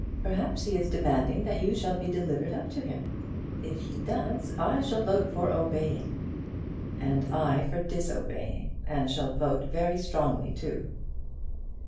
Perhaps he is demanding that you shall be delivered up to him. If he does I shall vote for obeying." "And I for disobeying, and shall vote very strongly too."